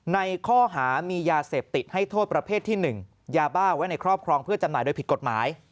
ในข้อหามียาเสพติดให้โทษประเภทที่๑ยาบ้าไว้ในครอบครองเพื่อจำหน่ายโดยผิดกฎหมาย